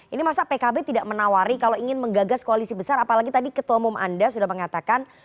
ini masa pkb tidak menawari kalau ingin menggagas koalisi besar apalagi tadi ketua umum anda sudah mengatakan